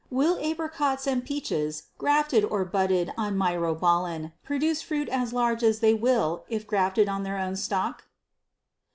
Will apricots and peaches grafted or budded on myrobalan produce fruit as large as they will if grafted on their own stock?